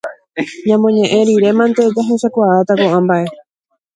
Ñamoñe'ẽ rirémante jahechakuaáta ko'ã mba'e